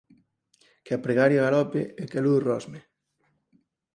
Que a pregaria galope e que a luz rosme...